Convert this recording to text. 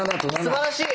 すばらしい！